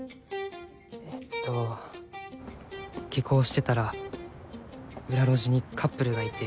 えっと下校してたら裏路地にカップルがいて。